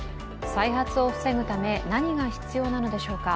再発を防ぐため何が必要なのでしょうか。